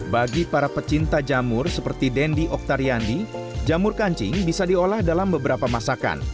bagi para pecinta jamur seperti dendi oktariandi jamur kancing bisa diolah dalam beberapa masakan